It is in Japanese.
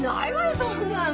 そんなの！